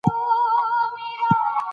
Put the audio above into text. فېس بوک کې تخريب او توهيناميز پوسټونه کوي.